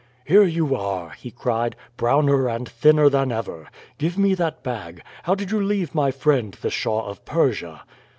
"Here you are," he cried, "browner and thinner than ever! Give me that bag. How did you leave my friend the Shah of Persia?"